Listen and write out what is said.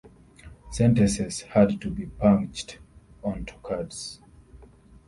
Sentences had to be punched onto cards.